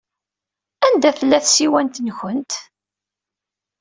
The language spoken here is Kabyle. Anda tella tsiwant-nwent?